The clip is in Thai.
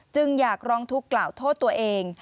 จึงอยากร้องทุกข์กล่าวโทษตัวเอง